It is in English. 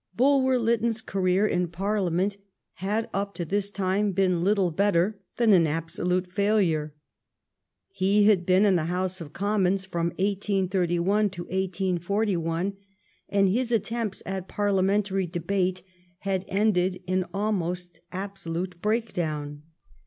Bulwer Lytton's career in Parliament had up to this time been little better than an absolute failure. He had been in the House of Commons from 1831 to 1 84 1, and his attempts at Parliamentary debate had ended in almost absolute breakdown.